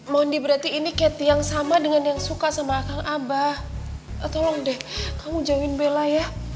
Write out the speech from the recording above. monde berarti ini cathy yang sama dengan yang suka sama akang abah tolong deh kamu jauhin bella ya